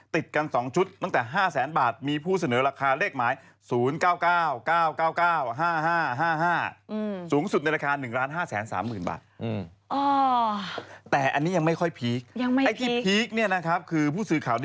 พี่นึกว่ามีคนอยากได้อ่ะต้องแข่งประมูลสู้กันอ่ะ